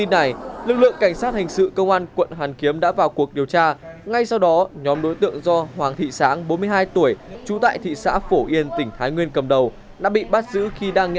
đây là cái nhận thức em chưa biết gì hết về cây thuốc lam ấy ạ